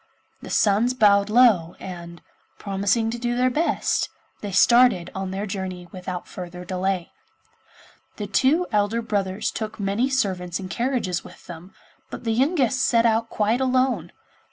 The sons bowed low, and, promising to do their best, they started on their journey without further delay. The two elder brothers took many servants and carriages with them, but the youngest set out quite alone.